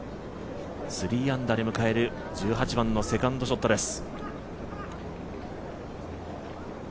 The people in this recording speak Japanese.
３アンダーで迎える１８番のセカンドショットです。